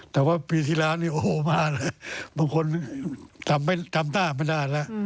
แต่ว่าปีที่แล้วนี่โอ้โหมาเลยบางคนทำหน้ามานานแล้ว